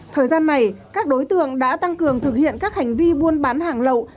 thời gian này các đối tượng đã tăng cường thực hiện các hành vi buôn bán hàng lậu